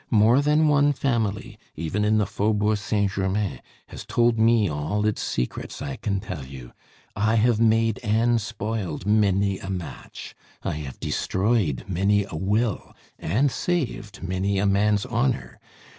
More than one family even in the Faubourg Saint Germain has told me all its secrets, I can tell you. I have made and spoiled many a match, I have destroyed many a will and saved many a man's honor.